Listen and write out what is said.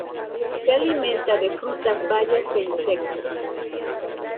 Se alimenta de frutas, bayas e insectos.